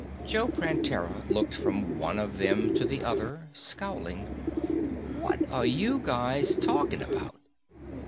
Joe Prantera looked from one of them to the other, scowling. "What are you guys talking about?"